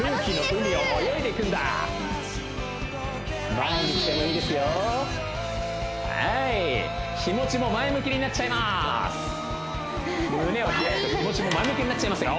胸を開くと気持ちも前向きになっちゃいますよ